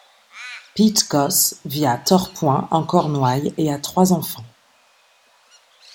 Pete Goss vit à Torpoint en Cornouailles et a trois enfants.